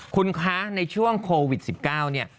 คุณคะในช่วงโควิด๑๙เนี่ย